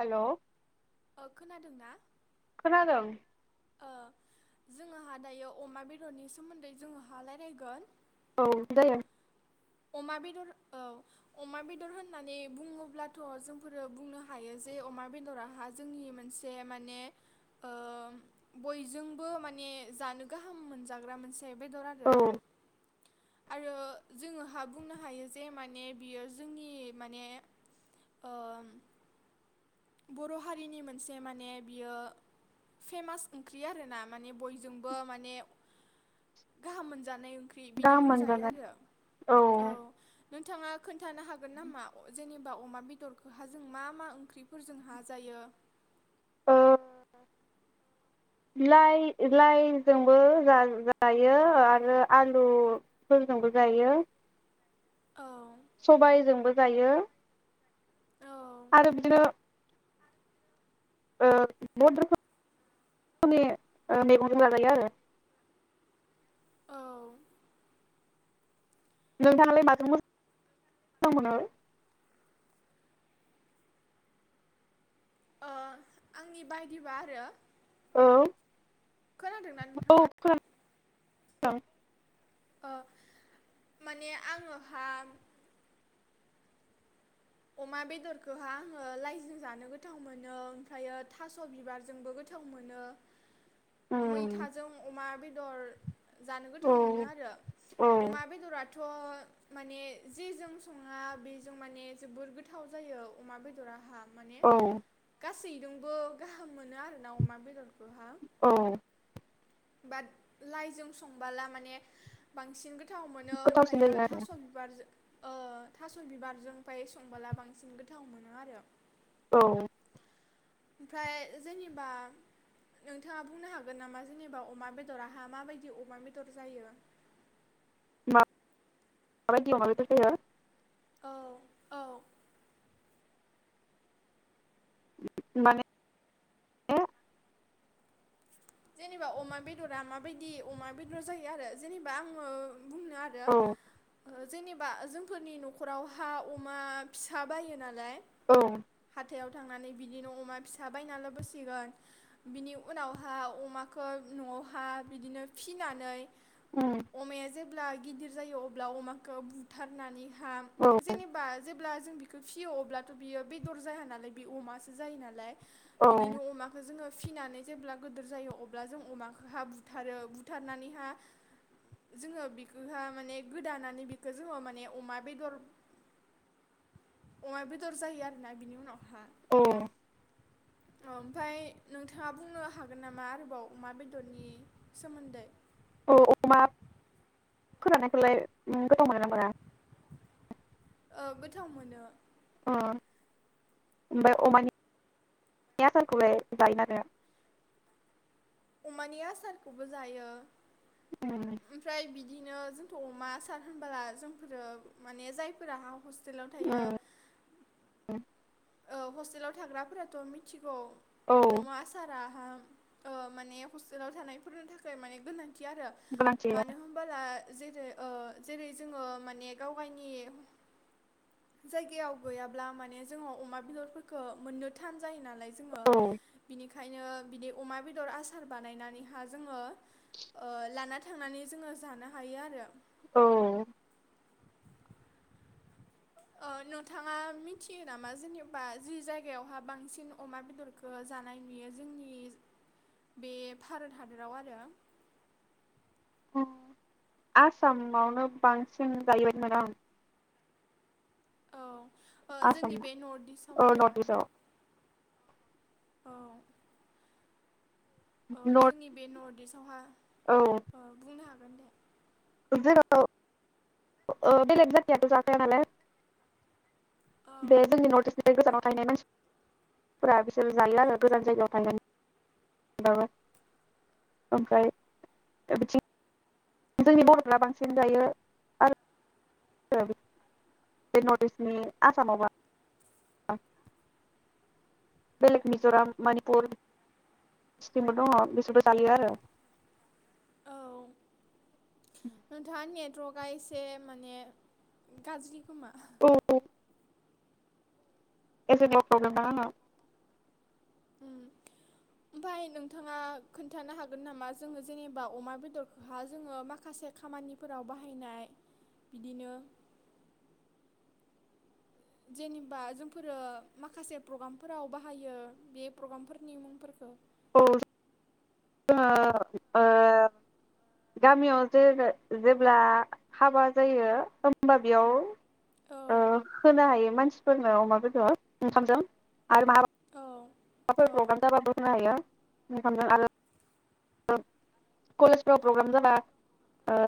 Hello अ खोनादोंना? खोनादोंं। ओ जोंहा दायो अमा बेदरनि सोमोन्दै जोंहा लायरायगोन औ जायो। अमा बेदर औ अमा बेदर होननानै बुङोब्लाथ जोंफोरो बुंनो हायो जे अमा बेदराहा जोंनि मोनसे माने ओ बयजोंबो माने जानो गाहाम मोनजाग्रा मोनसे बेदर औ आरो। आरो जोङो हा बुंनो हायो जे माने बियो जोंनि माने ओ बर हारिनि मोनसे माने बियो फेमास ओंख्रि आरोना माने बयजोंबो माने गाहाम मोनजानाय ओंख्रि बिदि गाहाम बुंजायो मोनजागोन आरो। औ। नोंथाङा खोन्थानो हागोन नामा अ जेनि बा अमा बेदरखौहा जों मा मा ओंख्रिफोरजों हा जायो? ओ लाइ-लाइजोंबो जा-जायो आरो आलुफोरजोंबो जायो। औ। सबायजोंबो जायो औ। आरो बिदिनो ओ बहत रोखोमनि ओ मैगं जाजायो आरो। औ। नोंथाङालाय मोजां मोनो? ओ आंनि बायदिबा आरो औ। खोनादोंना औ नोंथाङा? [unintelligible] अ माने आङोहा अमा बेदरखौहा आङो लाइजों जानो गोथाव मोनो ओमफ्रायो थास बिबारजोंबो गोथाव मोनो उम मैथाजों अमा बेदर जानो औ गोथाव मोनो आरो औ अमा बेदरा थ' माने जेजों सङा बेजों माने जोबोर गोथाव जायो अमा बेदराहा। माने औ गा सैदोंबो गाहाम मोनो आरोना अमा बेदरखोहा। औ। बात लाइजों संबाला माने बांसिन गोथ थाव मोनो गोथावसिन ओमफ्रायो जायो आरो थास बिबारजो ओ थास' बिबारजों फाय संबाला बांसिन गोथाव मोनो आरो। औ। ओमफ्राय जेनेबा नोंथाङा बुंनो हागोन नामा जेनेबा अमा बेदराहा माबायदि अमा बेदर जायो? माब बादि अमा बेदर जायो? औ औ। माने। जेनेबा अमा बेदरा माबायदि अमा बेदर जायो आरो जेनेबा आङो बुंनो आरो औ ओ जेनेबा जोंफोरनि नखराव हा अमा फिसा बायो नालाय। औ। थायाव थांनानै बिदिनो अमा फिसा बायनानै लाबसिगोन बिनि उनावहा अमाखो नआवहा बिदिनो फिनानै उम अमाया जे अब्ला गिदिर जायो अब्ला अमाखौ बुथारनानि हा औ जेनेबा जेब अब्ला जों बिखो फियो अब्लाथ' बियो बेदर जाया नालाय बे अमासो जायो नालाय औ बिदिनो अमाखो जोङो फिनानै जेब्ला गोद दोर जायो अब्ला जों अमाखोहा बुथारो बुथारनानैहा जोङो बिखोहा माने गोदानानै बिखौ जोङो माने अमा बेदर अमा बेदर जायो आरोना बिनि उनावहा। औ। ओमफाय नोंथाङा बुंनो हाग गोन नामा आरोबाव अमा बेदरनि सोमोन्दै? औ अमा फोराननायखौलाय ओम गोथाव मोनो ना मोना? ओ गोथाव मोनो। ओ ओमफाय अमानि आसारखौलाय जायोना जाया? अमानि आसारखोबो जायो। उम ओमफ्राय बिद दिनो जोंथ' अमा आसार होनबाला जोंफोरो माने जायफोरा हा हस्टेलाव थायो। उम औ हस्टेलाव थाग्राफोराथ' मिथि गौ औ अमा आसारा आ ओ माने हस्टेलाव थानायफोरनि थाखाय माने गोनां थि आरो गोनांथि मानो होमबला जेरै- ओ जेरै- जोङो माने गाव गायनि जायगायाव गैयाब्ला माने जोंनाव अमा बेदरफोरखौ मोननो थान जायो नालाय जोंङो औ बिनिखा खायनो बिदि अमा बेदर आसार बानायनानैहा जोङो ओ लाना थांनानै जोङो जानो हायो आरो औ ओ नोंथाङा मिथियो नामा जेनेबा जि जायगायावहा बांसिन अमा बेदरखौ जानाय नुयो जोंनि बे भारत हादराव आरो। ओम आसामावनो बांसिन जायो बायदि मोनो आं औ ओ आसाम जोंनि बे नर्थ इस्टआव औ आरो नर्थ इस्टआव औ ओ नर्थ जोंनि बे नर्थ इस्टआवहा औ ओ बुंनो हा गोनदे [unintelligible] ओ बेलेग जाथिआथ' जाखाया नालाय औ [unintelligible] बे गोजानाव थांहैनाय मानसि फोरा बिसोर जायो आरो गोजान जायगायाव [unintelligible] ओमफ्राय बिथिं जोंनि बर'फ्रा बांसिन जायो आरो बे नर्थ इस्टनि आसामावबा बेलेग मिजराम मनिपुर [unintelligible] दङ बिसोरबो जायो आरो औ नोंथाङा नेथ वर्कआ एसे माने गाज्रि खोमा औ [unintelligible] उम ओमफाय नोंथाङा खोन्थानो हागोन नामा जोङो जेनेबा अमा बेदरखौहा जोङो माखासे खामानिफोराव बाहायनाय बिदिनो जेनेबा जोंफोरो माखासे प्रग्रामफोराव बा बाहायो बे प्रग्रामफोरनि मुंफोरखो औ जोंहा ओ गामियाव जे-जेब्ला हाबा जायो होमबा बेयाव औ ओ खोनाहोयो मानसि फोरनो अमा बेदर ओंखामजों [unintelligible] औ माबाफोर औ प्रग्राम जाबाबो जाबाबो होनो हायो। [unintelligible] [unintelligible] कलेजफ्राव प्रग्राम जाबा ओ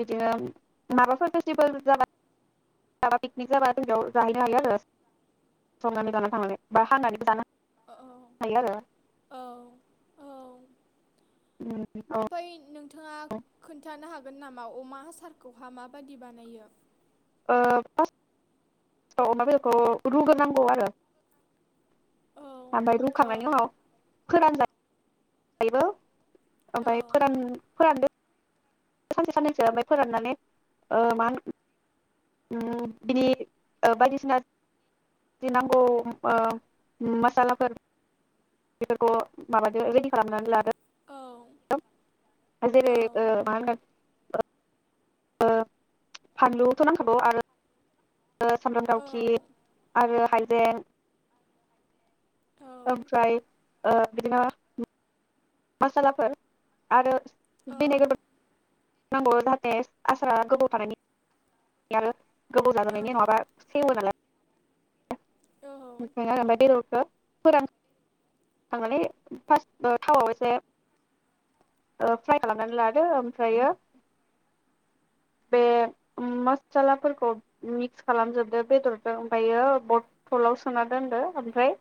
बिदिनो माबाफोर फेस्टिभेल जाबा जाबा पिकनिक जाबा जों बेयाव जाहैनो हायो आरो संनानै जानानानै थांनानै बा हांनानैबो जानो हायो औ आरो औ औ उम औ ओमफ्राय नोंथाङा खोन्थानो हाग हागोन नामा अमा हासारखौहा माबादि बानायो? औ फारस्तआव अमा बेदरखो रुगोनांगौ आरो औ ओमफ्राय औ औ रुखांनायनि उनाव फोरानजाय दायोबो औ ओमफाय फोरान-फोरानदो सानसे साननैसो ओमफ्राय फोराननानै ओ माहोन उम बिदि बायदिसिना नांगौ मासालाफोर बेफोरखौ माबादो रिदि खालामनानै लागोदो औ दो ओ जेरै ओमाहोनगोन ओ ओ फानलुथ नांखागौ आरो ओ सामब्राम दावखि औ आरो हाइ जें औ ओमफ्राय ओ बिदिनो मासालाफोर आरो बि बे नग [unintelligible] नांगौ जाहाथे आसारा गोबाव थानायनि गोबाव जाजोबनायनि नङाबा सेवो नालाय ओखायनो आरो बेदरखो फोरान खांनानैै फार्स्ट थावआव एसे ओ फ्राय खालामनानै लादो ओमफ्रायो बे मसालाफोरखौ मिक्स खालामजोबदो बेदरजों ओमफ्रायो बथलाव सोना दोनदो ओमफ्राय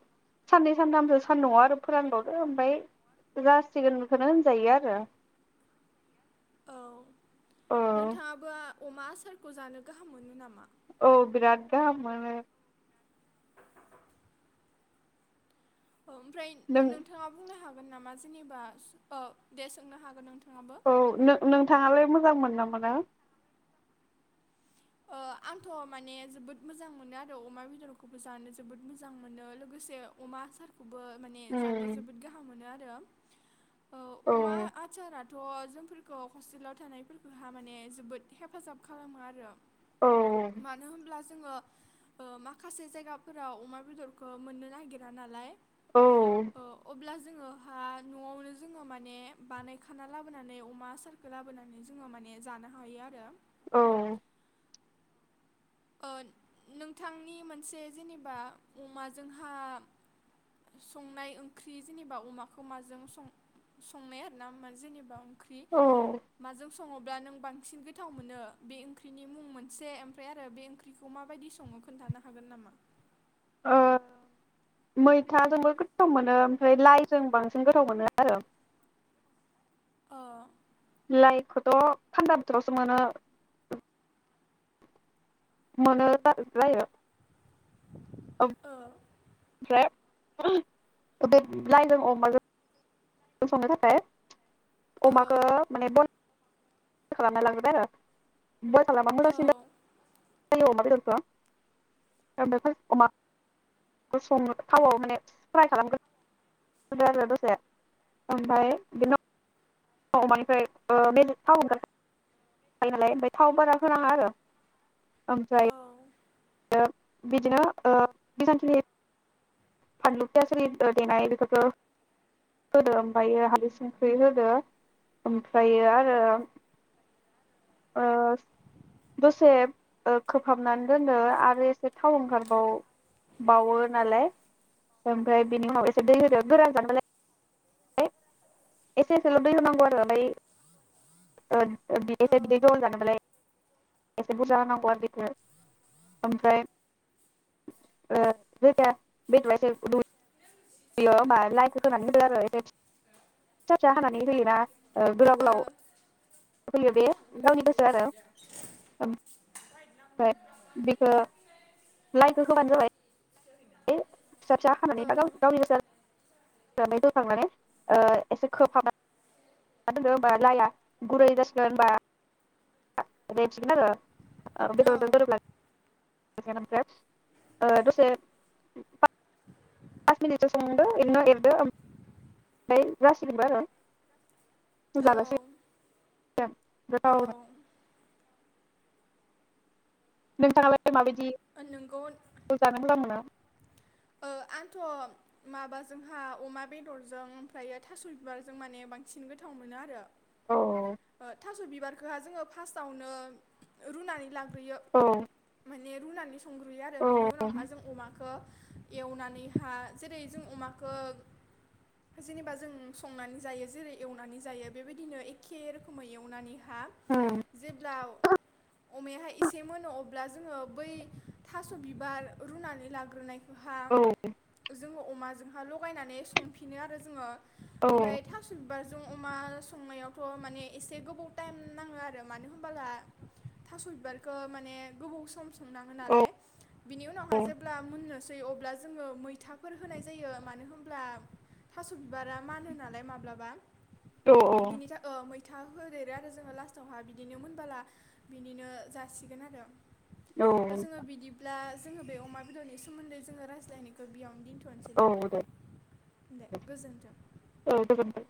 साननै सानथामसो सान्दुंआव आरो फोरानबावदो ओमफ्राय जासिगोन खोनो होनजायो आरो औ औ नोंथाङाबो अमा आसारखौ जानो गाहाम मोनो नामा औ बिराद गाहाम मोनो। ओमफ्राय नों नोंथाङा बुंनो हाग हागोंन नामा जेनेबा ओ दे सोंनो हागोन नोंथां औ नों-नोंथाङालाय मोजां मोनना मोना ओ आंथ माने जोबोद मोजां मोनो आरो अमा बेदरखौबो जानो जोबोद मोजां मोनो लोगोसे अमा सार खौबो माने जानो उम जोबोद गाहाम मोनोआर आरो ओ औ अमा आसारा थ जोंफोरखौ हस्टेलाव थानायफोरखौहा माने जोबोद हेफाजाब खालामो आरो औ मानो होनब्ला जोङो ओ माखासे जायगाफोराव अमा बेदरखौ मोननो नागिरा नालाय ओ अब्ला ज जोङो हा नआवनो जोङो माने बानायखाना लाबोनानै अमा आस आसारखौ लाबोनानै जोङो माने जानो हायो आरो औ। ओ नोंथांनि मोनसे जेनेबा अमाजोंहा संनाय ओंख्रि जेनेबा अमाखौ माजों सं-संनाय आरो ना जेनेबा। ख्रि औ माजों सङोब्ला नों बांसिन गोथाव मोनो बे ओंख्रिनि मुं मोनसे ओमफ्राय आरो। आरो बे ओंख्रिखौ माबायदि संङो खोन्थानो हागोन नामा? ओ मैथाजोंबो गोथाव मोनो ओमफ्राय लाइजों बांसिन गोथाव मोनो आरो। ओ। लाइखौथ थान्दा बोथोरावसो मोनो। मोन जा [unintelligible] जायो। ओ। ओमफ्राय बे लाइनजों अमाजों संनो थाखाय औ अमाखौ माने ब खालामना लाग्रोबबाय आरो बयल खालामबा औ मोजांसिन अमा बेदरखौ ओ अमा स थावआव माने फ्राय खालामग्रो आरो दसे ओमफ्राय बेन औ मानिफ्राय ओ बेनि थाव ओनगोन जायो नालाय ओमाय थाव बाराफोराङा आरो। औ ओफ्राय ओ इदिनो बिदिनो ओ एसांंखिनि फानलु फियास होरि देनाय बेफोरखो होदो ओमफायो हालदि संख्रि होदो ओमफ्रायो आरो ओ दसे खोबहाबनानै दोनो आरो एसे थाव ओंखारबावबावो नालाय ओमफ्राय बिनि उनाव एसे दै होदो गोरा जानायालाय एसे एसेल दै होनांगौ ओमफाय ओ बिदिनो बिदै जहल जानोमालाय एसे बुरजा होनांगौ आरो बेखो ओमफ्राय ओ जायखाया बेद हेल' होमबा लाइटखौ होनानै होदो आरो ए ससा होनानै होलनाा गोलाव गोलाव होयो बे गावनि जार ओमफ्राय बेखो लाइखो होबानो जाबाय बे फिसा फिसा ओ हानानै गाव गावनि गोस नानै दखानानै ओ एसे खोबहाब मा दोनो होनबा लाइया गुरै जासिगोन बा रेसिगोन आरो आर बे द ओ दो औ गोरोब ला ओसा नासेब ओ दसे फास मिनिटसो संदो इनि उनाव लिरदो ओमफाय जासिगबो आरो औ जासै जा दा औ हरो नोंथाङालाय ओफाय माबायदि नोंगौ नों जानो मोजां मोना ओ आंथ माबाजोंहा अमा बेदरजों ओमफ्रायो थास बिबारजों माने बांसिन गोथाव मोनो आरो औ ओ। थास बिबारखोहा जोङो फार्स्टआवनो रुनानै ला [unintelligible] बे रुनानि स सुंग्रुयो आरो औ बिनि उनावहा जों अमाखो एवनानैहा जेरै जों अमाखौ जेनेबा जों संनानै जायो जेरै एवनानै जायो बेबायदिनो एखे रोखोमै एवनानै हा उम जेब्ला औ अमायाहाय एसे मोनो अब्ला जोंङो बै थास' बिबार रुनानै लाग्रोनाय हा औ ज जोंङो अमाजोंहा लगायनानै संफिनो आरो जोंङो ओमफाय थास' ब बाजों अमा संनायावथ' माने एसे गोबाव टाइम नांङो आरो मानो होनबोला थास' बिबारखौ माने गोबाव सम संनांङो नालाय बिनि उनावहा जेब्ला मोननो दै अब्ला जोङो मैथाफोर होनाय जायो मानो होनब्ला थास' बिबारा मानो नालाय माब्लाबा। औ ओ बिनि था ओ मै था होदेरो आरो जोंङो लास्टावहा बिदिनो मोनबोला बिनिनो जासिगोन आरो ओ औ जोंङो बिदिब्ला जोंङो बे अमा बेदरनि सोमोन्दै जोंङो रायलायनायखौ बेयाव दिनथ'नोसै दे। दे गोजोन्थों। औ गोजोन्थों।